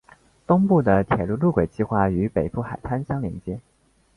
东部的铁路路轨计画与北部海滩相联接。